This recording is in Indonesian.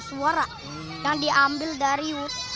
suara yang diambil dari